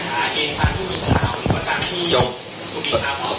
การที่ตุดีขาประมาณ